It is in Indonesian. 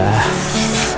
liat aja mbak